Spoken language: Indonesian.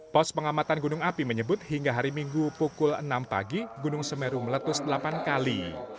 pos pengamatan gunung api menyebut hingga hari minggu pukul enam pagi gunung semeru meletus delapan kali